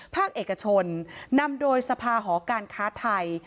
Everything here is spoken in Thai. ภาคเอกชนนำโดยสภาหอการค้าไทย